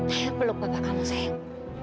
ayu peluk bapak kamu sayang